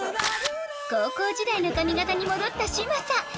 高校時代の髪形に戻った嶋佐